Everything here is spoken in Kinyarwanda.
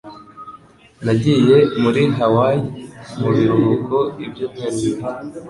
Nagiye muri Hawaii mu biruhuko ibyumweru bibiri.